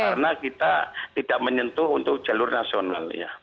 karena kita tidak menyentuh untuk jalur nasional ya